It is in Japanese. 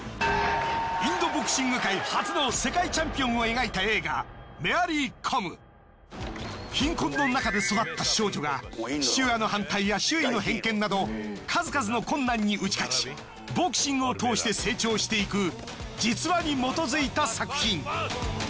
インドボクシング界初の世界チャンピオンを描いた映画貧困の中で育った少女が父親の反対や周囲の偏見など数々の困難に打ち勝ちボクシングを通して成長していく実話に基づいた作品。